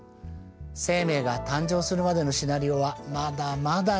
生命が誕生するまでのシナリオはまだまだ謎だらけ。